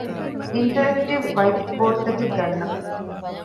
އިންޓަރެކްޓިވް ވައިޓްބޯޑްތަކެއް ގަންނަން